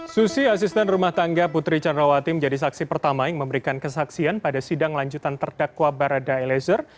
susi asisten rumah tangga putri candrawati menjadi saksi pertama yang memberikan kesaksian pada sidang lanjutan terdakwa barada eliezer